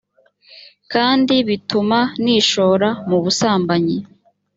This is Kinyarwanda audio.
kandi bituma nishora mu busambanyi